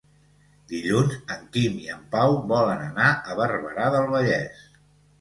Dilluns en Quim i en Pau volen anar a Barberà del Vallès.